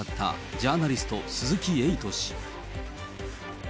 ジャーナリスト、鈴木エイト氏。